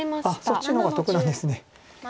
そっちの方が得なんですね。